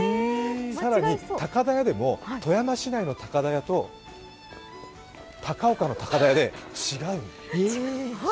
更に、高田屋でも富山市内の高田屋と高岡の高田屋で違うの。